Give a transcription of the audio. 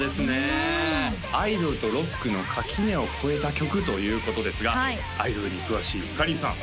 うんアイドルとロックの垣根を越えた曲ということですがアイドルに詳しいかりんさん